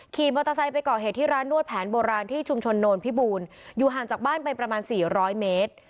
ขี่มอเตอร์ไซค์ไปก่อเหตุที่ร้านนวดแผนโบราณที่ชุมชนโนนพิบูรณ์อยู่ห่างจากบ้านไปประมาณสี่ร้อยเมตร